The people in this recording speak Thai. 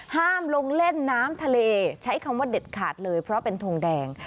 ห้ามลงเล่นน้ำทะเลใช้คำว่าเด็ดขาดเลยเพราะเป็นทงแดง